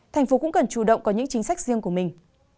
tp hcm cũng cần chủ động có những chính sách riêng của mình